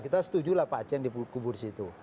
kita setuju lah pak aceh fikri di kubur situ